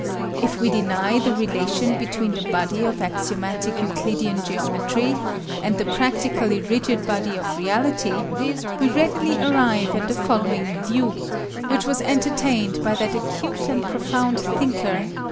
If we deny the relation between the body of axiomatic Euclidean geometry and the practically rigid body of reality, we readily arrive at the following view, which was entertained by that acute and profound thinker, H.